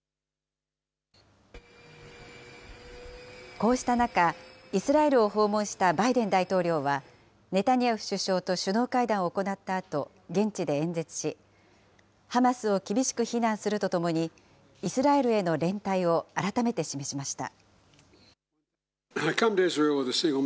こうした中、イスラエルを訪問したバイデン大統領は、ネタニヤフ首相と首脳会談を行ったあと、現地で演説し、ハマスを厳しく非難するとともに、イスラエルへの連帯を改めて示しました。